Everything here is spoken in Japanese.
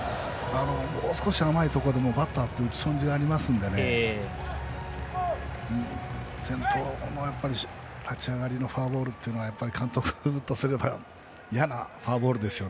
もう少し甘いところでもバッターは打ち損じがありますからね、先頭も立ち上がりのフォアボールは監督とすれば嫌なフォアボールです。